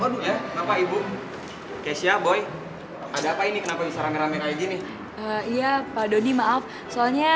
tempat pertahuan semuanya